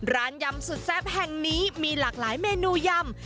ยำสุดแซ่บแห่งนี้มีหลากหลายเมนูยำ